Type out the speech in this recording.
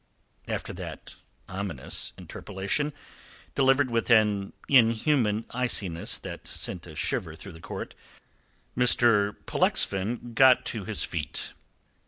After that ominous interpolation, delivered with an inhuman iciness that sent a shiver through the court, Mr. Pollexfen got to his feet.